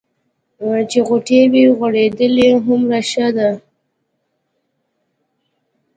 چې غوټۍ وي غوړېدلې هومره ښه ده.